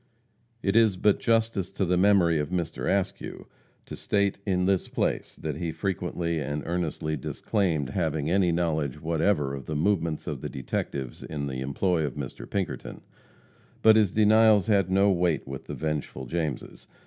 It is but justice to the memory of Mr. Askew, to state in this place that he frequently and earnestly disclaimed having any knowledge whatever of the movements of the detectives in the employ of Mr. Pinkerton. But his denials had no weight with the vengeful Jameses.